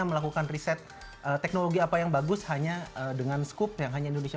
melakukan riset teknologi apa yang bagus hanya dengan skup yang hanya indonesia